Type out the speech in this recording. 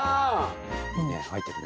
いいね入ってるね。